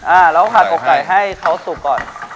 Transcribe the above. เราผัดกไก่ให้เขาสุกก่อน